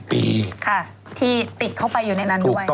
ปีค่ะที่ติดเข้าไปอยู่ในนั้นด้วย